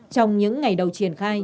trong những ngày đầu triển khai